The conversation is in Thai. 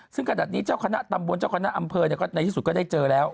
ซึ่งขนาดนี้เจ้าคณะตำบลเจ้าคณะอำเภอในที่สุดก็ได้เจอแล้ว